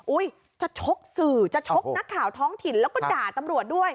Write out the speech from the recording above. จะชกสื่อจะชกนักข่าวท้องถิ่นแล้วก็ด่าตำรวจด้วย